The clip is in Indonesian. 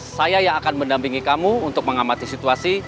saya yang akan mendampingi kamu untuk mengamati situasi